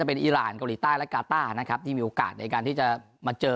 เป็นอีรานเกาหลีใต้และกาต้านะครับที่มีโอกาสในการที่จะมาเจอ